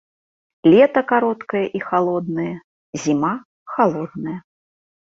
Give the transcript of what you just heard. Лета кароткае і халоднае, зіма халодная.